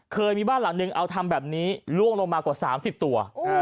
เคยมีบ้านหลังนึงเอาทำแบบนี้ล่วงลงมากว่า๓๐ตัว